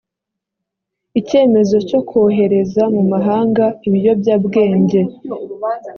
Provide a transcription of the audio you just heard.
icyemezo cyo kohereza mu mahanga ibiyobyabwenge